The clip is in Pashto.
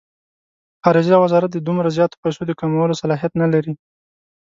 خارجه وزارت د دومره زیاتو پیسو د کمولو صلاحیت نه لري.